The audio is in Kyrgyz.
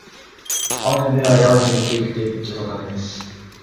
Ал жерде аял же эркек деп жазылган эмес.